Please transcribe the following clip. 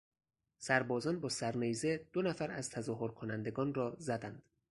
سربازان با سرنیزه دو نفر از تظاهر کنندگان را زدند.